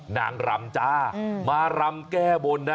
นางรำจ้ามารำแก้บนนะ